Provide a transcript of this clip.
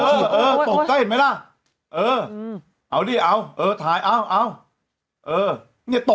เออเออตกใจเห็นไหมล่ะเออเอาดิเอาเออถ่ายเอาเอาเออเนี่ยตก